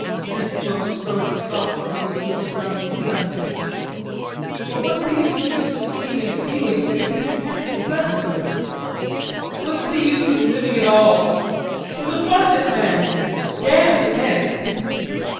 Henslowe stroked softly his little brown mustache. "But what's the use of just seeing and feeling things if you can't express them?" "What's the use of living at all? For the fun of it, man; damn ends."